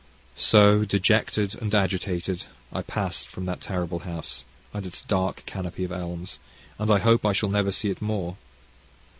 So, dejected and agitated, I passed from that terrible house, and its dark canopy of elms, and I hope I shall never see it more.